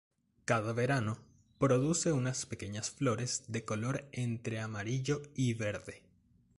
Cada verano, produce unas pequeñas flores de color entre amarillo y verde.